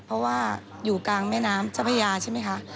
เพราะว่าอยู่กลางแม่น้ำเจ้าพระยาใช่ไหมคะ